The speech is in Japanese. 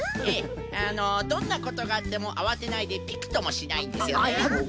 ええどんなことがあってもあわてないでピクともしないんですよね。